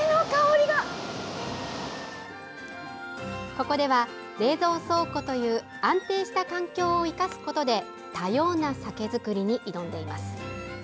ここでは冷蔵倉庫という安定した環境を生かすことで多様な酒造りに挑んでいます。